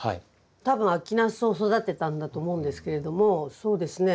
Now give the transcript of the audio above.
多分秋ナスを育てたんだと思うんですけれどもそうですね